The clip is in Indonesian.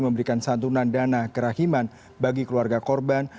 memberikan santunan dana kerahiman bagi keluarga korban